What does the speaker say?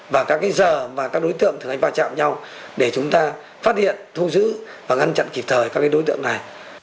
và các cái giờ mà các đối tượng thường hay vào chạm nhau để chúng ta phát hiện thu giữ và ngăn chặn kịp thời các đối tượng này